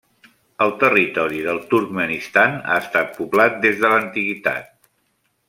El territori del Turkmenistan ha estat poblat des de l'antiguitat.